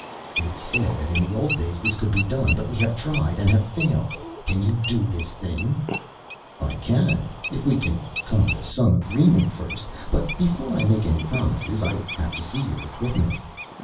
"It is said that in the old days this could be done, but we have tried and have failed. Can you do this thing?" "I can if we can come to an agreement first. But before I make any promises I have to see your equipment."